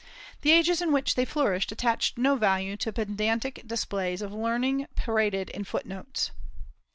The ages in which they flourished attached no value to pedantic displays of learning paraded in foot notes.